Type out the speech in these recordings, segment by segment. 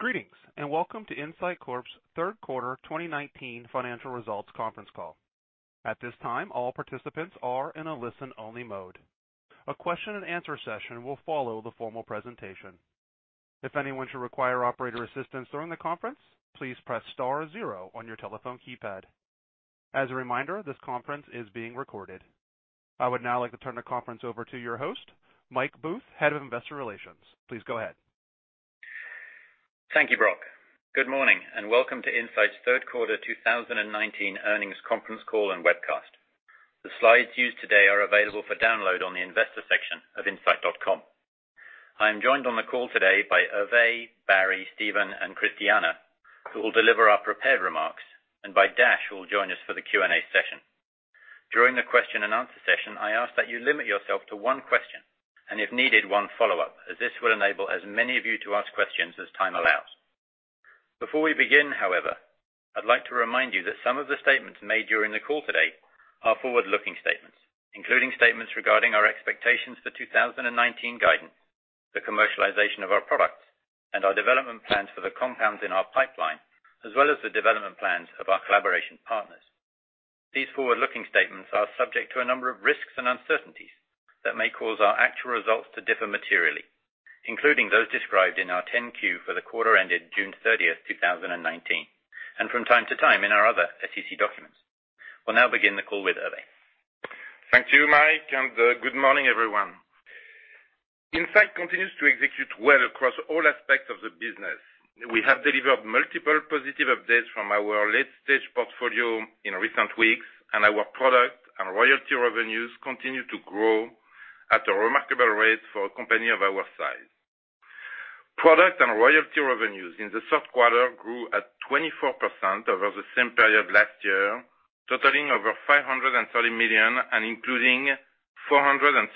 Greetings, welcome to Incyte Corp's third quarter 2019 financial results conference call. At this time, all participants are in a listen-only mode. A question and answer session will follow the formal presentation. If anyone should require operator assistance during the conference, please press star zero on your telephone keypad. As a reminder, this conference is being recorded. I would now like to turn the conference over to your host, Michael Booth, Head of Investor Relations. Please go ahead. Thank you, Brock. Good morning, and welcome to Incyte's third quarter 2019 earnings conference call and webcast. The slides used today are available for download on the investor section of incyte.com. I am joined on the call today by Hervé, Barry, Steven, and Christiana, who will deliver our prepared remarks, and by Dash, who will join us for the Q&A session. During the question and answer session, I ask that you limit yourself to one question, and if needed, one follow-up, as this will enable as many of you to ask questions as time allows. Before we begin, however, I'd like to remind you that some of the statements made during the call today are forward-looking statements, including statements regarding our expectations for 2019 guidance, the commercialization of our products, and our development plans for the compounds in our pipeline, as well as the development plans of our collaboration partners. These forward-looking statements are subject to a number of risks and uncertainties that may cause our actual results to differ materially, including those described in our 10-Q for the quarter ended June 30th, 2019, and from time to time in our other SEC documents. We'll now begin the call with Hervé. Thank you, Mike, good morning, everyone. Incyte continues to execute well across all aspects of the business. We have delivered multiple positive updates from our late-stage portfolio in recent weeks, and our product and royalty revenues continue to grow at a remarkable rate for a company of our size. Product and royalty revenues in the third quarter grew at 24% over the same period last year, totaling over $530 million and including $433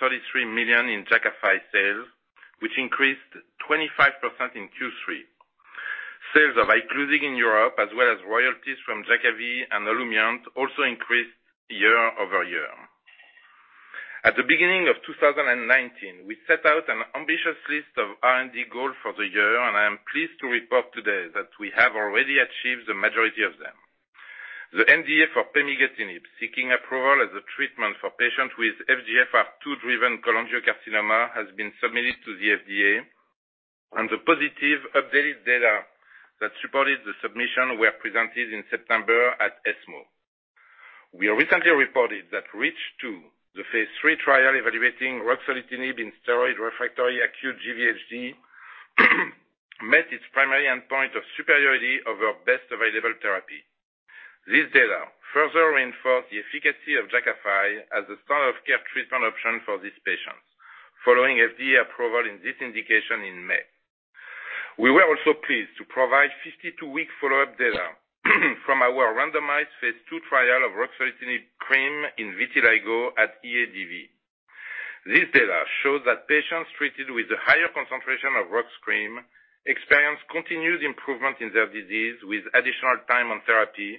million in Jakafi sales, which increased 25% in Q3. Sales of Iclusig in Europe, as well as royalties from Jakavi and OLUMIANT, also increased year-over-year. At the beginning of 2019, we set out an ambitious list of R&D goals for the year, and I am pleased to report today that we have already achieved the majority of them. The NDA for pemigatinib, seeking approval as a treatment for patients with FGFR2-driven cholangiocarcinoma, has been submitted to the FDA, and the positive updated data that supported the submission were presented in September at ESMO. We recently reported that REACH2, the phase III trial evaluating ruxolitinib in steroid-refractory acute GVHD, met its primary endpoint of superiority over best available therapy. This data further reinforced the efficacy of Jakafi as a standard of care treatment option for these patients, following FDA approval in this indication in May. We were also pleased to provide 52-week follow-up data from our randomized phase II trial of ruxolitinib cream in vitiligo at EADV. This data shows that patients treated with a higher concentration of ruxolitinib cream experienced continued improvement in their disease with additional time on therapy,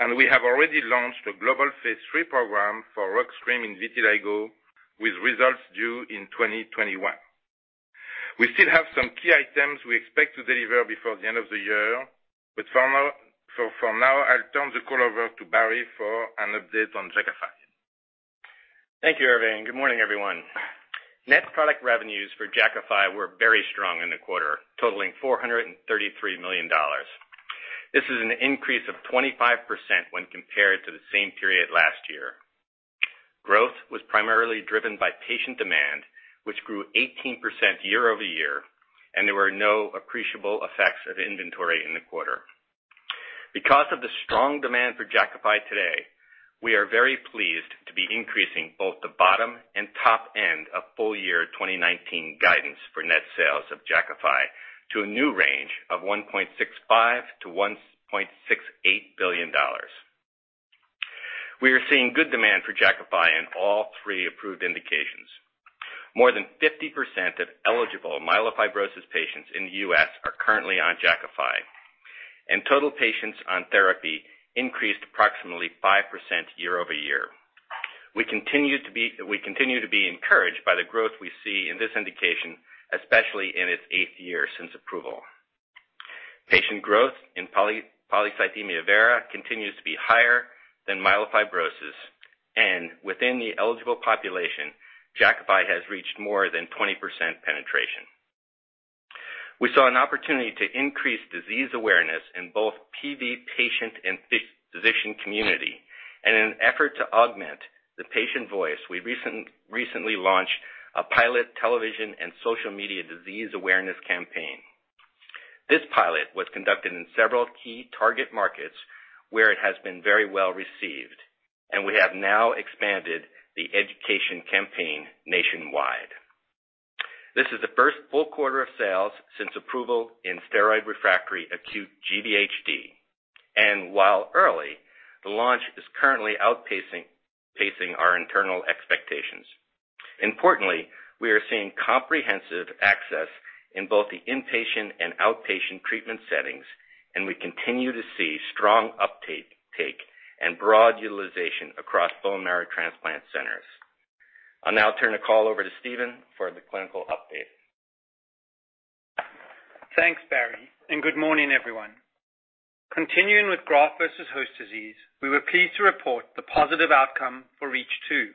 and we have already launched a global phase III program for ruxolitinib vitiligo, with results due in 2021. We still have some key items we expect to deliver before the end of the year. For now, I'll turn the call over to Barry for an update on Jakafi. Thank you, Hervé, and good morning, everyone. Net product revenues for Jakafi were very strong in the quarter, totaling $433 million. This is an increase of 25% when compared to the same period last year. Growth was primarily driven by patient demand, which grew 18% year-over-year, and there were no appreciable effects of inventory in the quarter. Because of the strong demand for Jakafi today, we are very pleased to be increasing both the bottom and top end of full year 2019 guidance for net sales of Jakafi to a new range of $1.65 billion-$1.68 billion. We are seeing good demand for Jakafi in all three approved indications. More than 50% of eligible myelofibrosis patients in the U.S. are currently on Jakafi, and total patients on therapy increased approximately 5% year-over-year. We continue to be encouraged by the growth we see in this indication, especially in its eighth year since approval. Patient growth in polycythemia vera continues to be higher than myelofibrosis, and within the eligible population, Jakafi has reached more than 20% penetration. We saw an opportunity to increase disease awareness in both PV patient and physician community, and in an effort to augment the patient voice, we recently launched a pilot television and social media disease awareness campaign. This pilot was conducted in several key target markets where it has been very well received, and we have now expanded the education campaign nationwide. This is the first full quarter of sales since approval in steroid-refractory, acute GVHD, and while early, the launch is currently outpacing our internal expectations. Importantly, we are seeing comprehensive access in both the inpatient and outpatient treatment settings, and we continue to see strong uptake and broad utilization across bone marrow transplant centers. I'll now turn the call over to Steven for the clinical update. Thanks, Barry. Good morning, everyone. Continuing with Graft-versus-host disease, we were pleased to report the positive outcome for REACH2,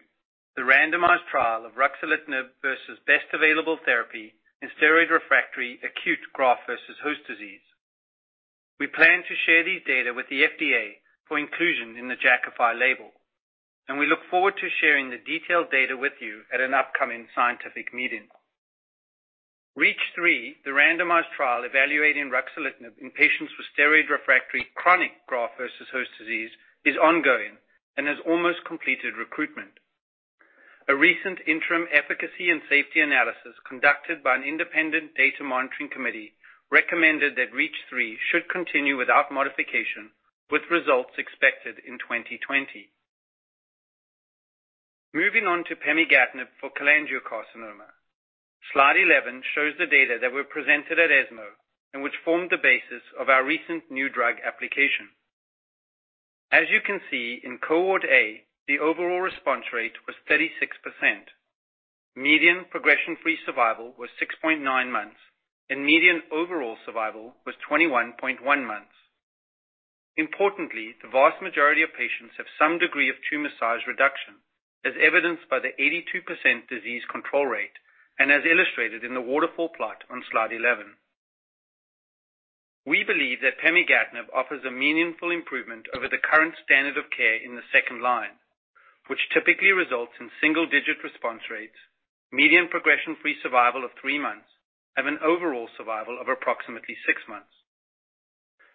the randomized trial of ruxolitinib versus best available therapy in steroid-refractory acute Graft-versus-host disease. We plan to share these data with the FDA for inclusion in the JAKAFI label, and we look forward to sharing the detailed data with you at an upcoming scientific meeting. REACH3, the randomized trial evaluating ruxolitinib in patients with steroid-refractory chronic Graft-versus-host disease, is ongoing and has almost completed recruitment. A recent interim efficacy and safety analysis conducted by an Independent Data Monitoring Committee recommended that REACH3 should continue without modification, with results expected in 2020. Moving on to pemigatinib for cholangiocarcinoma. Slide 11 shows the data that were presented at ESMO and which formed the basis of our recent New Drug Application. As you can see, in Cohort A, the overall response rate was 36%. Median progression-free survival was 6.9 months, and median overall survival was 21.1 months. Importantly, the vast majority of patients have some degree of tumor size reduction, as evidenced by the 82% disease control rate and as illustrated in the waterfall plot on Slide 11. We believe that pemigatinib offers a meaningful improvement over the current standard of care in the second line, which typically results in single-digit response rates, median progression-free survival of three months, and an overall survival of approximately six months.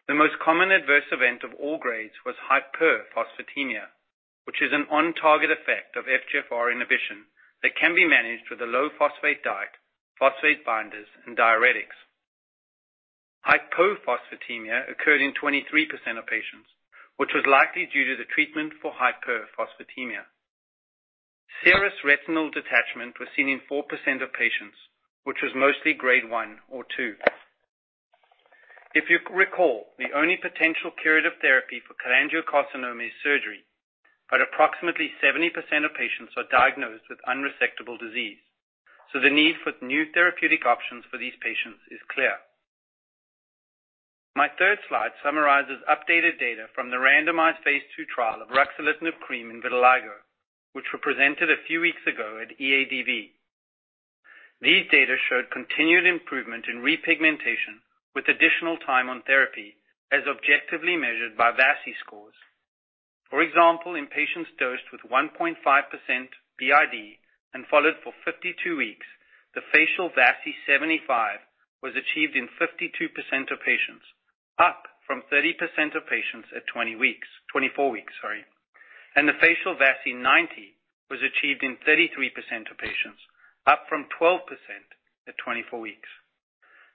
The most common adverse event of all grades was hyperphosphatemia, which is an on-target effect of FGFR inhibition that can be managed with a low phosphate diet, phosphate binders, and diuretics. Hypophosphatemia occurred in 23% of patients, which was likely due to the treatment for hyperphosphatemia. Serous retinal detachment was seen in 4% of patients, which was mostly Grade 1 or 2. If you recall, the only potential curative therapy for cholangiocarcinoma is surgery, but approximately 70% of patients are diagnosed with unresectable disease, so the need for new therapeutic options for these patients is clear. My third slide summarizes updated data from the randomized Phase II trial of ruxolitinib cream in vitiligo, which were presented a few weeks ago at EADV. These data showed continued improvement in repigmentation with additional time on therapy, as objectively measured by VASI scores. For example, in patients dosed with 1.5% BID and followed for 52 weeks, the facial VASI 75 was achieved in 52% of patients, up from 30% of patients at 24 weeks. The facial VASI 90 was achieved in 33% of patients, up from 12% at 24 weeks.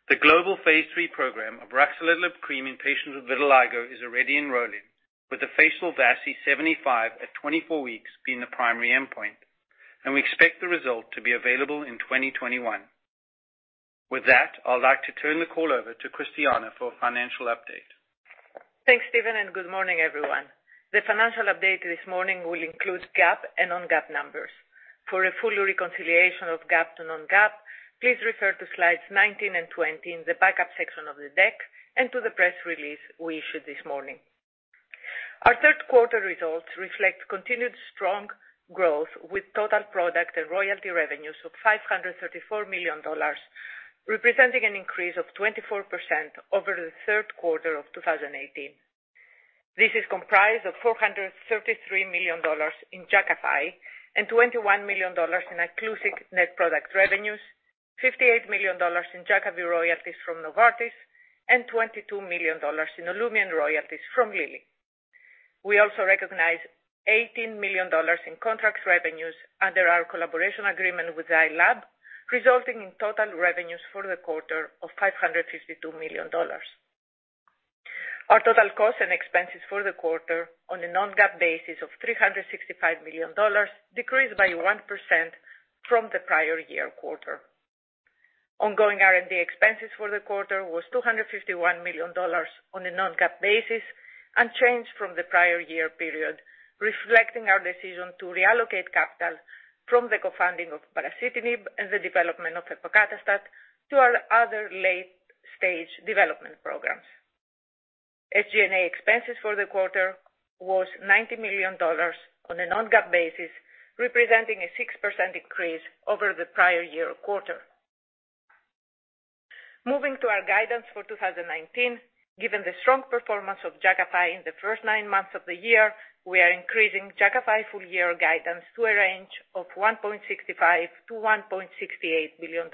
The global phase III program of ruxolitinib cream in patients with vitiligo is already enrolling, with the facial VASI 75 at 24 weeks being the primary endpoint. We expect the result to be available in 2021. With that, I'll like to turn the call over to Christiana for a financial update. Thanks, Steven, and good morning, everyone. The financial update this morning will include GAAP and non-GAAP numbers. For a full reconciliation of GAAP to non-GAAP, please refer to slides 19 and 20 in the backup section of the deck and to the press release we issued this morning. Our third quarter results reflect continued strong growth with total product and royalty revenues of $534 million, representing an increase of 24% over the third quarter of 2018. This is comprised of $433 million in JAKAFI and $21 million in ICLUSIG net product revenues, $58 million in Jakavi royalties from Novartis, and $22 million in OLUMIANT royalties from Lilly. We also recognized $18 million in contract revenues under our collaboration agreement with Zai Lab, resulting in total revenues for the quarter of $552 million. Our total costs and expenses for the quarter on a non-GAAP basis of $365 million decreased by 1% from the prior year quarter. Ongoing R&D expenses for the quarter was $251 million on a non-GAAP basis, unchanged from the prior year period, reflecting our decision to reallocate capital from the co-funding of baricitinib and the development of epacadostat to our other late-stage development programs. SG&A expenses for the quarter was $90 million on a non-GAAP basis, representing a 6% decrease over the prior year quarter. Moving to our guidance for 2019. Given the strong performance of Jakafi in the first nine months of the year, we are increasing Jakafi full-year guidance to a range of $1.65 billion-$1.68 billion.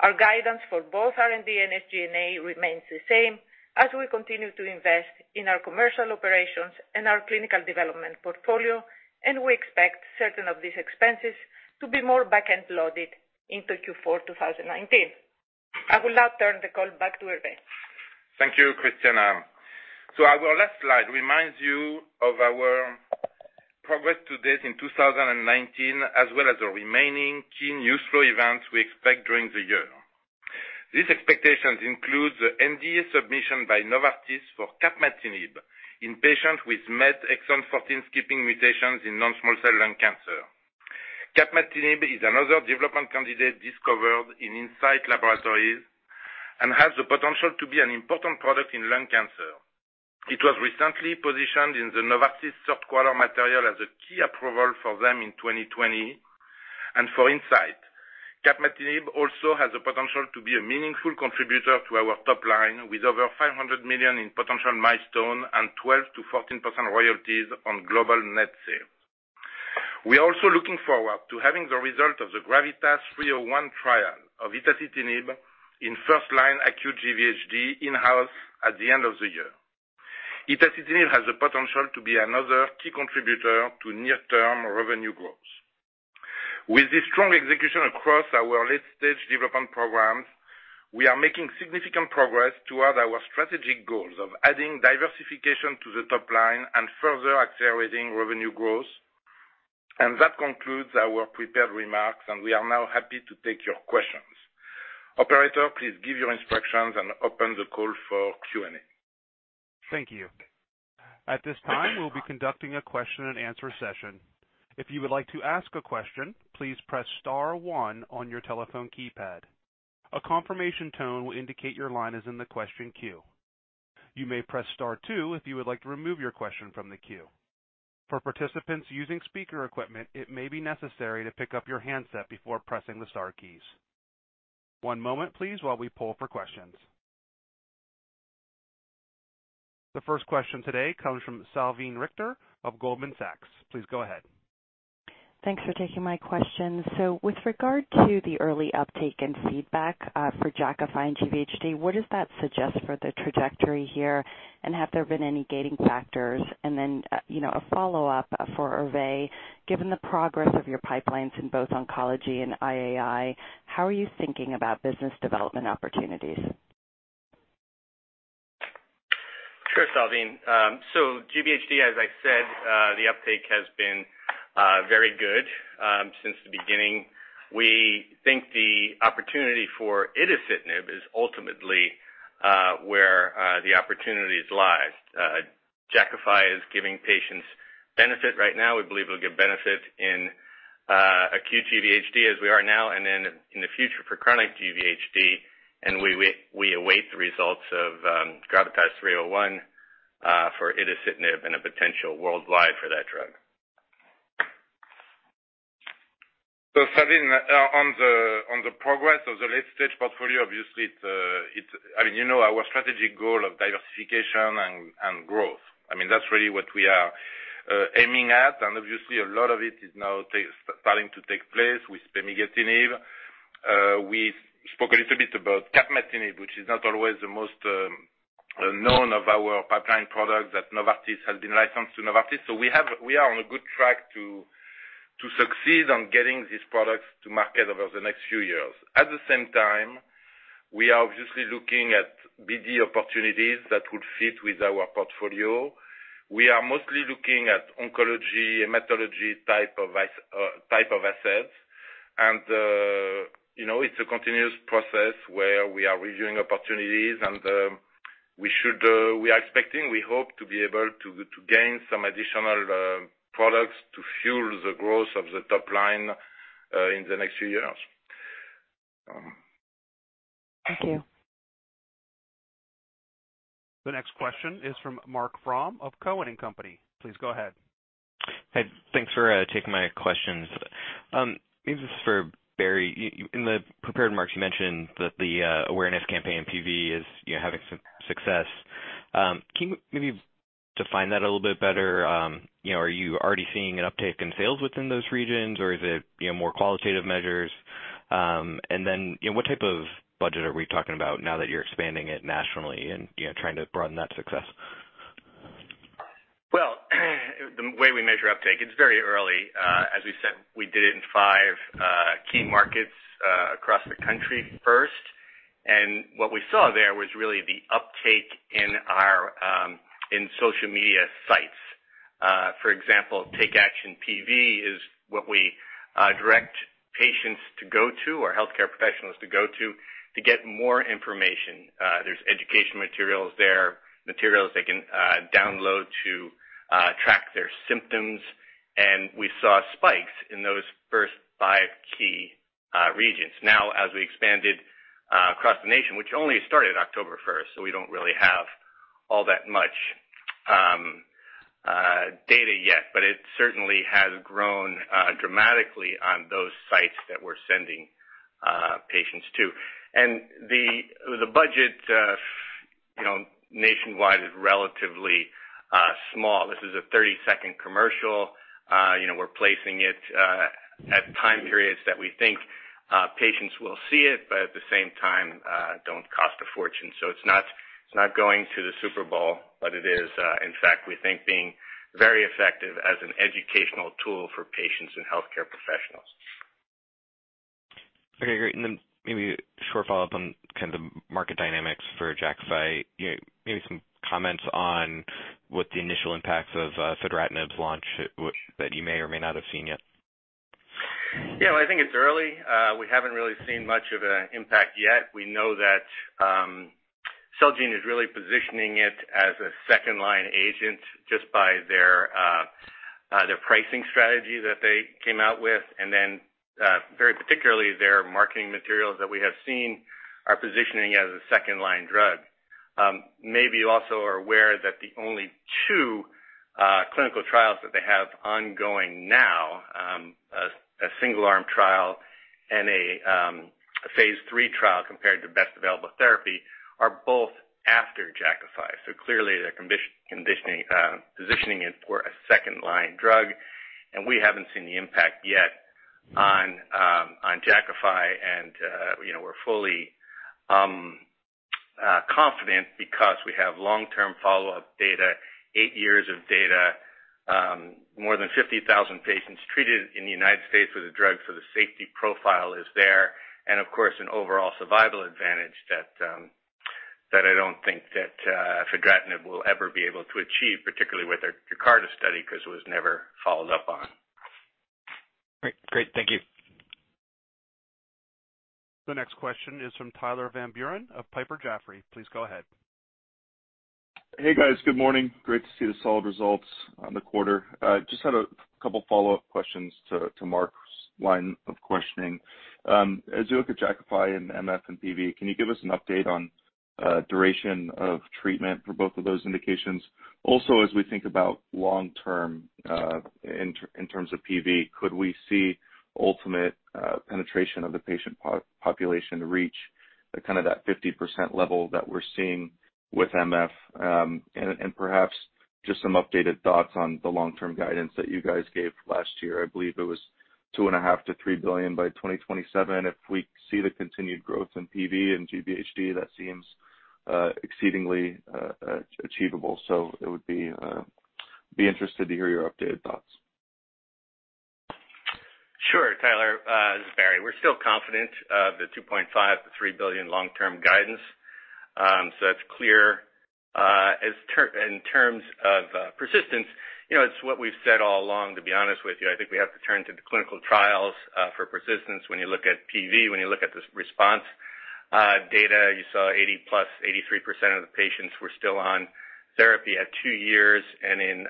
Our guidance for both R&D and SG&A remains the same as we continue to invest in our commercial operations and our clinical development portfolio. We expect certain of these expenses to be more back-end loaded into Q4 2019. I will now turn the call back to Hervé. Thank you, Christiana. Our last slide reminds you of our progress to date in 2019, as well as the remaining key news flow events we expect during the year. These expectations include the NDA submission by Novartis for capmatinib in patients with MET exon 14 skipping mutations in non-small cell lung cancer. Capmatinib is another development candidate discovered in Incyte laboratories and has the potential to be an important product in lung cancer. It was recently positioned in the Novartis third quarter material as a key approval for them in 2020. For Incyte, capmatinib also has the potential to be a meaningful contributor to our top line, with over $500 million in potential milestone and 12%-14% royalties on global net sales. We're also looking forward to having the result of the GRAVITAS-301 trial of itacitinib in first-line acute GVHD in-house at the end of the year. Itacitinib has the potential to be another key contributor to near-term revenue growth. With this strong execution across our late-stage development programs, we are making significant progress toward our strategic goals of adding diversification to the top line and further accelerating revenue growth. That concludes our prepared remarks, and we are now happy to take your questions. Operator, please give your instructions and open the call for Q&A. Thank you. At this time, we'll be conducting a question and answer session. If you would like to ask a question, please press star one on your telephone keypad. A confirmation tone will indicate your line is in the question queue. You may press star two if you would like to remove your question from the queue. For participants using speaker equipment, it may be necessary to pick up your handset before pressing the star keys. One moment please while we poll for questions. The first question today comes from Salveen Richter of Goldman Sachs. Please go ahead. Thanks for taking my questions. With regard to the early uptake and feedback for JAKAFI and GVHD, what does that suggest for the trajectory here, and have there been any gating factors? A follow-up for Hervé. Given the progress of your pipelines in both oncology and I&I, how are you thinking about business development opportunities? Sure, Salveen. GVHD, as I said, the uptake has been very good since the beginning. We think the opportunity for itacitinib is ultimately where the opportunities lie. Jakafi is giving patients benefit right now. We believe it'll give benefit in acute GVHD as we are now, and then in the future for chronic GVHD. We await the results of GRAVITAS-301 for itacitinib and a potential worldwide for that drug. Salveen, on the progress of the late-stage portfolio, obviously our strategic goal of diversification and growth, that's really what we are aiming at. Obviously a lot of it is now starting to take place with pemigatinib. We spoke a little bit about capmatinib, which is not always the most known of our pipeline products that Novartis has been licensed to Novartis. We are on a good track to succeed on getting these products to market over the next few years. At the same time, we are obviously looking at BD opportunities that would fit with our portfolio. We are mostly looking at oncology, hematology type of assets. It's a continuous process where we are reviewing opportunities. We are expecting, we hope, to be able to gain some additional products to fuel the growth of the top line in the next few years. Thank you. The next question is from Marc Frahm of Cowen and Company. Please go ahead. Hey, thanks for taking my questions. Maybe this is for Barry. In the prepared remarks, you mentioned that the awareness campaign in PV is having some success. Can you maybe define that a little bit better? Are you already seeing an uptake in sales within those regions, or is it more qualitative measures? Then, what type of budget are we talking about now that you're expanding it nationally and trying to broaden that success? Well, the way we measure uptake, it's very early. As we said, we did it in five key markets across the country first, and what we saw there was really the uptake in social media sites. For example, Take Action PV is what we direct patients to go to, or healthcare professionals to go to get more information. There's education materials there, materials they can download to track their symptoms. We saw spikes in those first five key regions. Now, as we expanded across the nation, which only started October 1st, so we don't really have all that much data yet, but it certainly has grown dramatically on those sites that we're sending patients to. The budget nationwide is relatively small. This is a 30-second commercial. We're placing it at time periods that we think patients will see it, but at the same time, don't cost a fortune. It's not going to the Super Bowl, but it is, in fact, we think, being very effective as an educational tool for patients and healthcare professionals. Okay, great. Maybe a short follow-up on kind of the market dynamics for JAKAFI. Maybe some comments on what the initial impacts of fedratinib's launch that you may or may not have seen yet. Yeah, I think it's early. We haven't really seen much of an impact yet. We know that Celgene is really positioning it as a second-line agent just by their pricing strategy that they came out with, then very particularly, their marketing materials that we have seen are positioning it as a second-line drug. Maybe you also are aware that the only two clinical trials that they have ongoing now, a single-arm trial and a phase III trial compared to best available therapy, are both after Jakafi. Clearly, they're positioning it for a second-line drug, and we haven't seen the impact yet on Jakafi. We're fully confident because we have long-term follow-up data, eight years of data, more than 50,000 patients treated in the U.S. with the drug. The safety profile is there, and of course, an overall survival advantage that I don't think that fedratinib will ever be able to achieve, particularly with their JAKARTA study, because it was never followed up on. Great. Thank you. The next question is from Tyler Van Buren of Piper Jaffray. Please go ahead. Hey, guys. Good morning. Great to see the solid results on the quarter. Just had a couple of follow-up questions to Marc's line of questioning. As you look at Jakafi in MF and PV, can you give us an update on duration of treatment for both of those indications? Also, as we think about long-term in terms of PV, could we see ultimate penetration of the patient population reach that 50% level that we're seeing with MF? Perhaps just some updated thoughts on the long-term guidance that you guys gave last year. I believe it was $2.5 billion-$3 billion by 2027. If we see the continued growth in PV and GVHD, that seems exceedingly achievable. Be interested to hear your updated thoughts. Sure, Tyler. This is Barry. We're still confident of the $2.5 billion-$3 billion long-term guidance. That's clear. In terms of persistence, it's what we've said all along, to be honest with you. I think we have to turn to the clinical trials for persistence. When you look at PV, when you look at the response data, you saw 80-plus, 83% of the patients were still on therapy at two years. In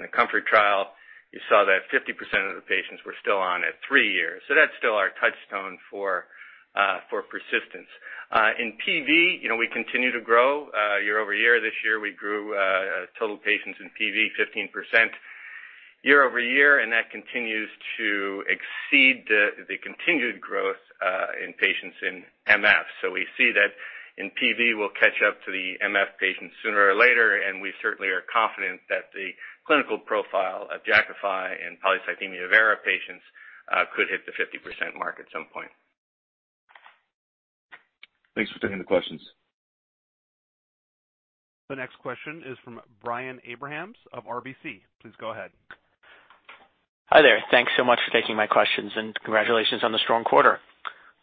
the COMFORT trial, you saw that 50% of the patients were still on at three years. That's still our touchstone for persistence. In PV, we continue to grow year-over-year. This year, we grew total patients in PV 15% year-over-year, and that continues to exceed the continued growth in patients in MF. We see that in PV, we'll catch up to the MF patients sooner or later, and we certainly are confident that the clinical profile of Jakafi in polycythemia vera patients could hit the 50% mark at some point. Thanks for taking the questions. The next question is from Brian Abrahams of RBC. Please go ahead. Hi there. Thanks so much for taking my questions, congratulations on the strong quarter.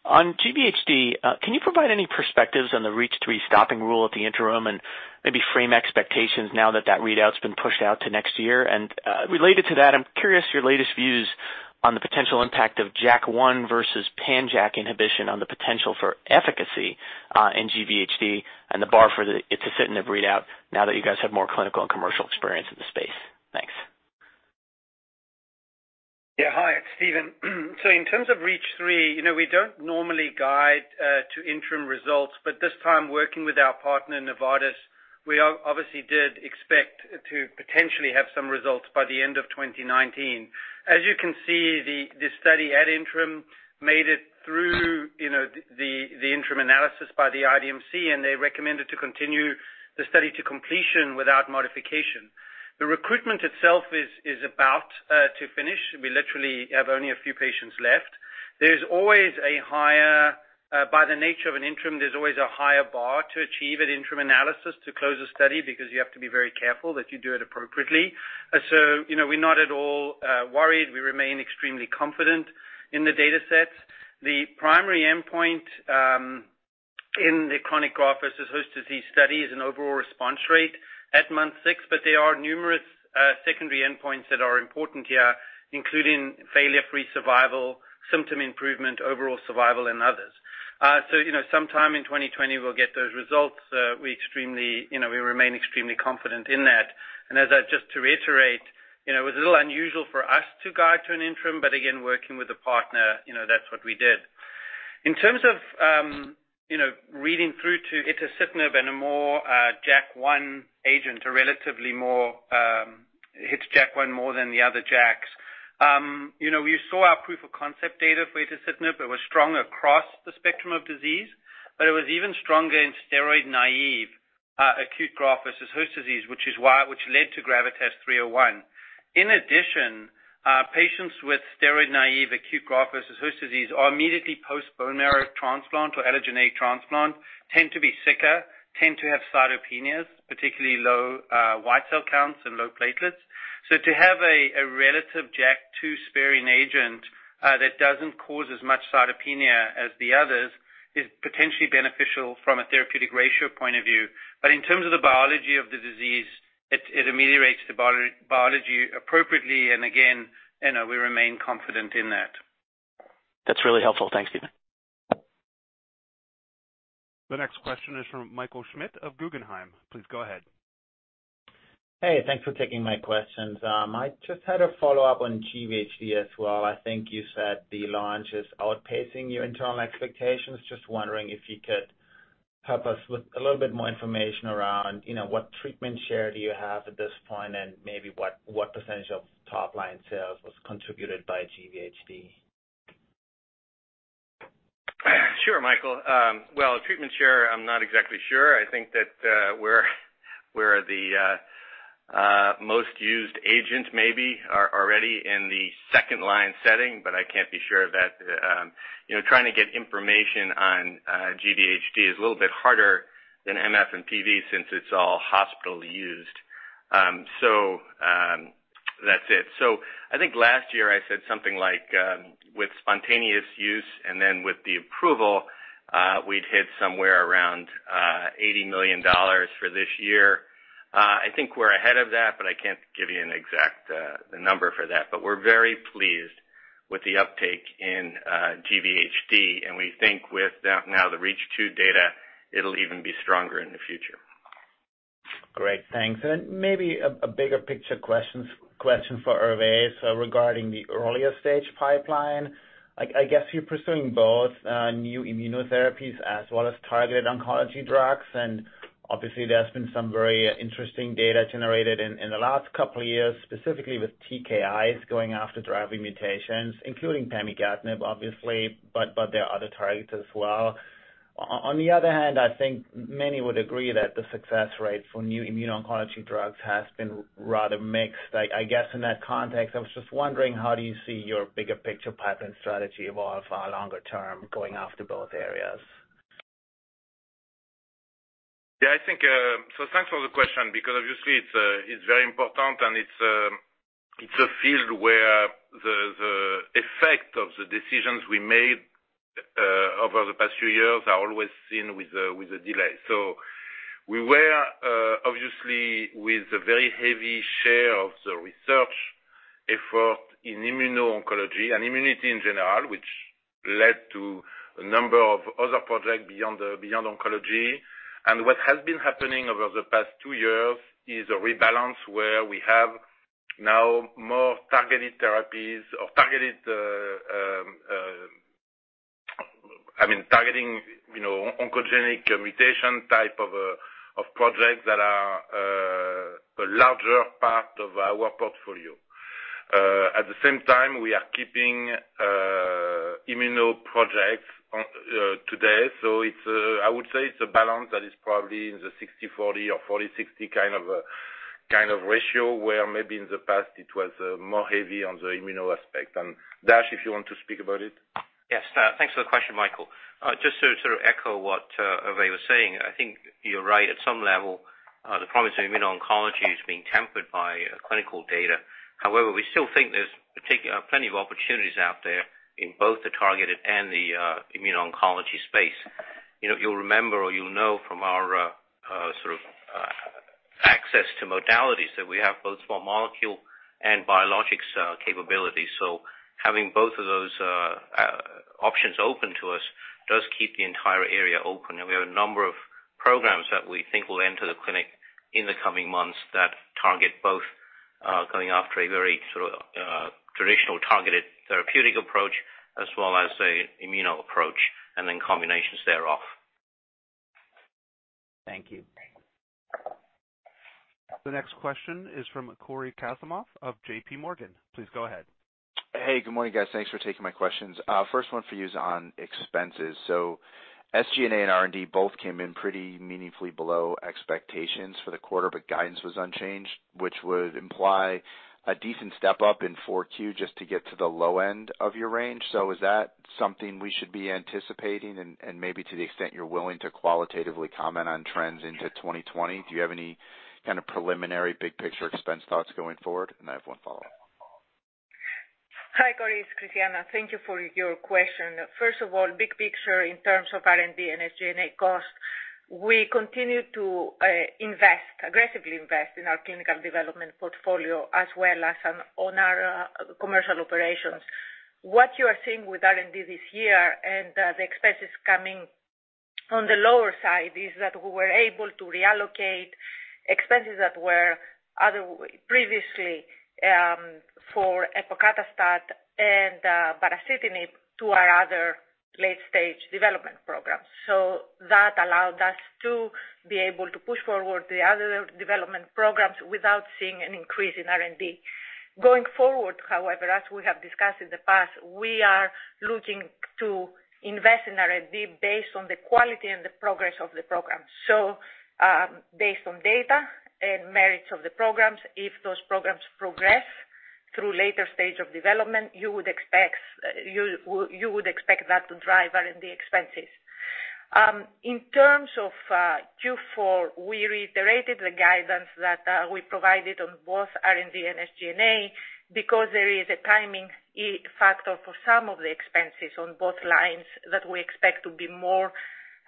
On GVHD, can you provide any perspectives on the REACH3 stopping rule at the interim and maybe frame expectations now that readout's been pushed out to next year? Related to that, I'm curious your latest views on the potential impact of JAK1 versus pan-JAK inhibition on the potential for efficacy in GVHD and the bar for the itacitinib readout now that you guys have more clinical and commercial experience in the space. Thanks. Yeah. Hi, it's Steven. In terms of REACH3, we don't normally guide to interim results, but this time working with our partner, Novartis, we obviously did expect to potentially have some results by the end of 2019. As you can see, the study at interim made it through the interim analysis by the IDMC, and they recommended to continue the study to completion without modification. The recruitment itself is about to finish. We literally have only a few patients left. By the nature of an interim, there's always a higher bar to achieve at interim analysis to close a study because you have to be very careful that you do it appropriately. We're not at all worried. We remain extremely confident in the data sets. The primary endpoint in the chronic graft-versus-host disease study is an overall response rate at month six, there are numerous secondary endpoints that are important here, including failure-free survival, symptom improvement, overall survival, and others. Sometime in 2020, we'll get those results. We remain extremely confident in that. Just to reiterate, it was a little unusual for us to guide to an interim, again, working with a partner, that's what we did. In terms of reading through to itacitinib and a more JAK1 agent, it hits JAK1 more than the other JAKs. We saw our proof of concept data for itacitinib. It was strong across the spectrum of disease, it was even stronger in steroid-naive acute graft-versus-host disease, which led to GRAVITAS-301. In addition, patients with steroid-naive acute graft-versus-host disease or immediately post bone marrow transplant or allogeneic transplant tend to be sicker, tend to have cytopenias, particularly low white cell counts and low platelets. To have a relative JAK2-sparing agent that doesn't cause as much cytopenia as the others is potentially beneficial from a therapeutic ratio point of view. In terms of the biology of the disease, it ameliorates the biology appropriately, and again, we remain confident in that. That's really helpful. Thanks, Steven. The next question is from Michael Schmidt of Guggenheim. Please go ahead. Hey, thanks for taking my questions. I just had a follow-up on GVHD as well. I think you said the launch is outpacing your internal expectations. Just wondering if you could help us with a little bit more information around what treatment share do you have at this point, and maybe what % of top-line sales was contributed by GVHD? Sure, Michael. Well, treatment share, I'm not exactly sure. I think that we're the most used agent maybe already in the second line setting. I can't be sure of that. Trying to get information on GV-HD is a little bit harder than MF and PV since it's all hospital-used. That's it. I think last year I said something like, with spontaneous use and then with the approval, we'd hit somewhere around $80 million for this year. I think we're ahead of that. I can't give you an exact number for that. We're very pleased with the uptake in GV-HD, and we think with now the REACH2 data, it'll even be stronger in the future. Great, thanks. Maybe a bigger picture question for Hervé regarding the earlier stage pipeline. I guess you're pursuing both new immunotherapies as well as targeted oncology drugs, and obviously there's been some very interesting data generated in the last couple of years, specifically with TKIs going after driving mutations, including pemigatinib, obviously, but there are other targets as well. On the other hand, I think many would agree that the success rate for new immune oncology drugs has been rather mixed. I guess in that context, I was just wondering, how do you see your bigger picture pipeline strategy evolve longer term going after both areas? Thanks for the question, because obviously it's very important, and it's a field where the effect of the decisions we made over the past few years are always seen with a delay. We were obviously with a very heavy share of the research effort in immuno-oncology and immunity in general, which led to a number of other projects beyond oncology. What has been happening over the past two years is a rebalance where we have now more targeted therapies or targeted oncogenic mutation type of projects that are a larger part of our portfolio. At the same time, we are keeping immuno projects today. I would say it's a balance that is probably in the 60-40 or 40-60 kind of ratio, where maybe in the past it was more heavy on the immuno aspect. Dash, if you want to speak about it. Yes. Thanks for the question, Michael. Just to sort of echo what Hervé was saying, I think you're right at some level, the promise of immuno-oncology is being tempered by clinical data. We still think there's plenty of opportunities out there in both the targeted and the immuno-oncology space. You'll remember or you'll know from our sort of access to modalities that we have both small molecule and biologics capabilities. Having both of those options open to us does keep the entire area open. We have a number of programs that we think will enter the clinic in the coming months that target both going after a very sort of traditional targeted therapeutic approach as well as an immuno approach, and then combinations thereof. Thank you. The next question is from Cory Kasimov of JPMorgan. Please go ahead. Hey, good morning, guys. Thanks for taking my questions. First one for you is on expenses. SG&A and R&D both came in pretty meaningfully below expectations for the quarter, but guidance was unchanged, which would imply a decent step-up in 4Q just to get to the low end of your range. Is that something we should be anticipating? Maybe to the extent you're willing to qualitatively comment on trends into 2020, do you have any kind of preliminary big-picture expense thoughts going forward? I have one follow-up. Hi, Cory. It's Christiana. Thank you for your question. First of all, big picture in terms of R&D and SG&A costs, we continue to aggressively invest in our clinical development portfolio as well as on our commercial operations. What you are seeing with R&D this year and the expenses coming on the lower side is that we were able to reallocate expenses that were previously for epacadostat and baricitinib to our other late-stage development programs. That allowed us to be able to push forward the other development programs without seeing an increase in R&D. Going forward, however, as we have discussed in the past, we are looking to invest in R&D based on the quality and the progress of the program. Based on data and merits of the programs, if those programs progress through later stage of development, you would expect that to drive R&D expenses. In terms of Q4, we reiterated the guidance that we provided on both R&D and SG&A because there is a timing factor for some of the expenses on both lines that we expect to be more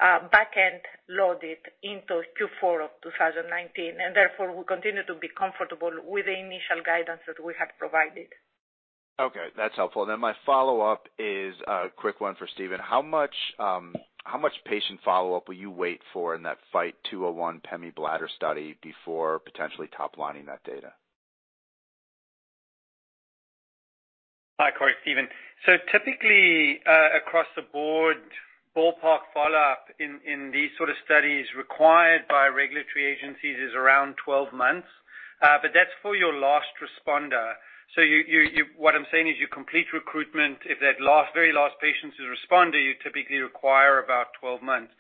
back-end loaded into Q4 of 2019. Therefore, we continue to be comfortable with the initial guidance that we have provided. Okay, that's helpful. My follow-up is a quick one for Steven. How much patient follow-up will you wait for in that FIGHT-201 pemi bladder study before potentially top-lining that data? Hi, Cory. Steven. Typically, across the board, ballpark follow-up in these sort of studies required by regulatory agencies is around 12 months. That's for your last responder. What I'm saying is you complete recruitment, if that very last patient is a responder, you typically require about 12 months.